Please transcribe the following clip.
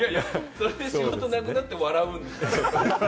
それで仕事なくなって笑うんでしょ？